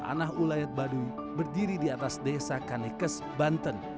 tanah ulayat baduy berdiri di atas desa kanekes banten